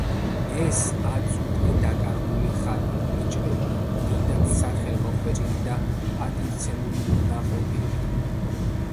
ეს, აწ უკვე დაკარგული ხატი, უეჭველია, დიდად სახელმოხვეჭილი და პატივცემული უნდა ყოფილიყო.